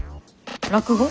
落語？